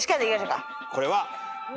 これは。